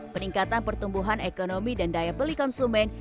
peningkatan pertumbuhan ekonomi dan daya beli konsumen